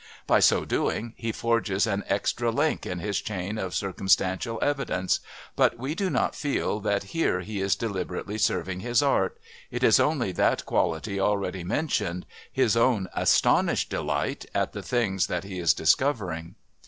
By so doing he forges an extra link in his chain of circumstantial evidence, but we do not feel that here he is deliberately serving his art it is only that quality already mentioned, his own astonished delight at the things that he is discovering.